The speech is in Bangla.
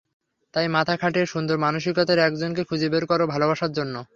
তাই মাথা খাঁটিয়ে সুন্দর মানসিকতার একজনকে খুঁজে বের করো ভালোবাসার জন্য।